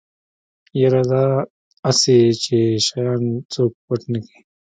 يره دا اسې چې شيان څوک پټ نکي.